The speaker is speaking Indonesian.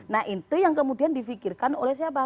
nah itu yang kemudian di fikirkan oleh siapa